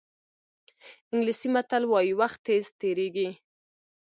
انګلیسي متل وایي وخت تېز تېرېږي.